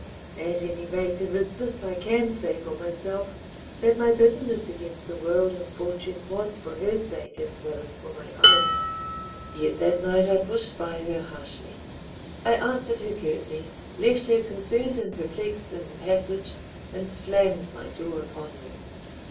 ... At any rate, there is this I can say for myself, that my bitterness against the world and fortune was for her sake as well as for my own. Yet that night I pushed by her harshly. I answered her curtly, left her concerned and perplexed in the passage, and slammed my door upon her.